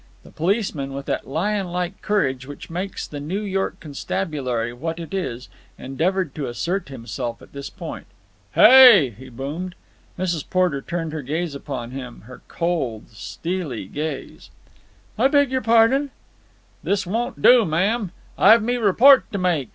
The policeman, with that lionlike courage which makes the New York constabulary what it is, endeavoured to assert himself at this point. "Hey!" he boomed. Mrs. Porter turned her gaze upon him, her cold, steely gaze. "I beg your pardon?" "This won't do, ma'am. I've me report to make.